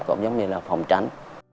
cũng giống như là phòng tránh